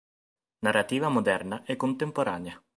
Narrativa moderna e contemporanea